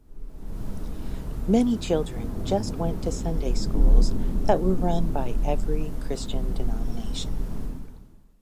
Many children just went to Sunday schools that were run by every Christian denomination.